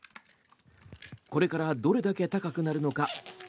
これからどれだけ高くなるのか。